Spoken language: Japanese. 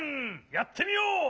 やってみよう！